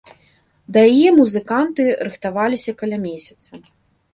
Да яе музыканты рыхтаваліся каля месяца.